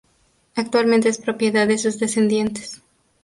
Actualmente es propiedad de sus descendientes.